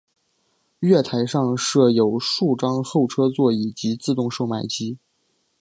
月台上设有数张候车座椅及自动售卖机。